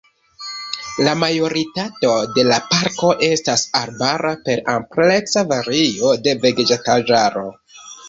La majoritato de la parko estas arbara per ampleksa vario de vegetaĵaro.